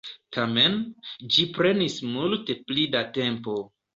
Tamen, ĝi prenis multe pli da tempo.